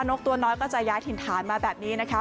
นกตัวน้อยก็จะย้ายถิ่นฐานมาแบบนี้นะคะ